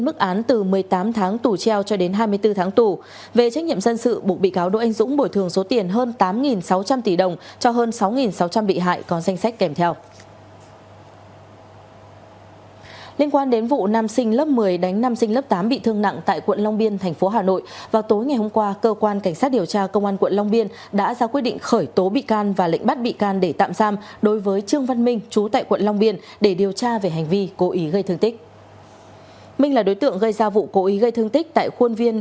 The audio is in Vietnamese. đỗ anh dũng bổi thường số tiền hơn tám sáu trăm linh tỷ đồng cho hơn sáu sáu trăm linh bị hại có danh sách kèm theo liên quan đến vụ nam sinh lớp một mươi đánh nam sinh lớp tám bị thương nặng tại quận long biên thành phố hà nội vào tối ngày hôm qua cơ quan cảnh sát điều tra công an quận long biên đã ra quyết định khởi tố bị can và lệnh bắt bị can để tạm giam đối với trương văn minh chú tại quận long biên để điều tra về hành vi cố ý gây thương tích